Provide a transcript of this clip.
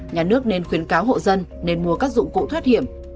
nhà nước nên khuyến cáo hộ dân nên mua các dụng cụ thoát hiểm